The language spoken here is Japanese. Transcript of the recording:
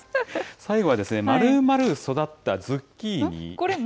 最後は、まるまる育ったズッキーニ。